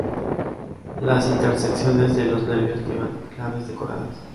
Las intersecciones de los nervios llevan claves decoradas.